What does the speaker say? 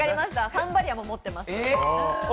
サンバリアも持ってます。